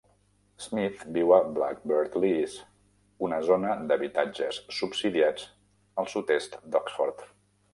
Smith viu a Blackbird Leys, una zona d'habitatges subsidiats al sud-est d'Oxford.